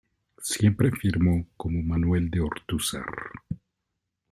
Siempre firmó como Manuel de Ortúzar.